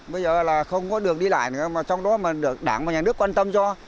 bây giờ là không có đường đi lại nữa mà trong đó mà được đảng và nhà nước quan tâm cho